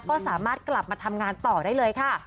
ก็สามารถกลับมาทำงานต่อได้เลยค่ะ